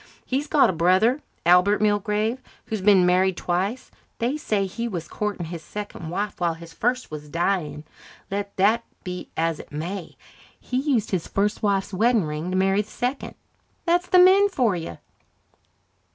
He's got a brother, Albert Milgrave, who's been married twice. They say he was courting his second wife while his first was dying. Let that be as it may, he used his first wife's wedding ring to marry the second. That's the men for you."